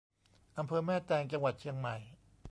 อำเภอแม่แตง จังหวัดเชียงใหม่